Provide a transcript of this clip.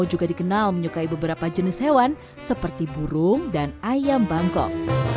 juga dikenal menyukai beberapa jenis hewan seperti burung dan ayam bangkok